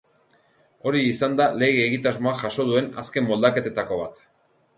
Hori izan da lege egitasmoak jaso duen azken moldaketetako bat.